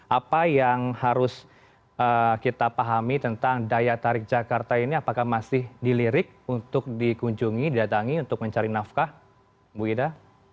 apa yang harus kita pahami tentang daya tarik jakarta ini apakah masih dilirik untuk dikunjungi didatangi untuk mencari nafkah bu ida